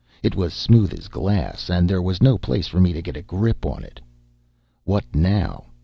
It was smooth as glass, and there was no place for me to get a grip on it. What now?